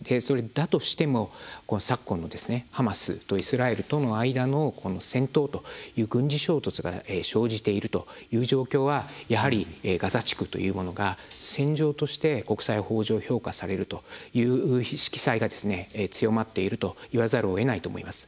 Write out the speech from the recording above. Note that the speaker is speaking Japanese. だとしても昨今のハマスとイスラエルの間の戦闘という軍事衝突が生じているという状況はやはりガザ地区というものが戦場として国際法上、評価されるという色彩が強まっているといわざるをえないと思います。